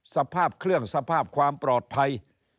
สภาพเครื่องสภาพความปลอดภัย